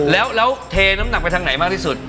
แล้วเทน้ำหนักไปทางไหนมากที่สุด